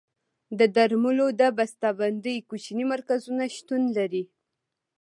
د درملو د بسته بندۍ کوچني مرکزونه شتون لري.